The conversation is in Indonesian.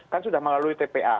kan sudah melalui tpa